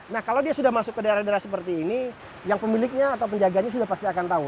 nah kalau dia sudah masuk ke daerah daerah seperti ini yang pemiliknya atau penjaganya sudah pasti akan tahu